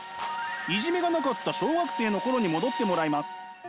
いじめがなかった小学生の頃に戻ってもらいます。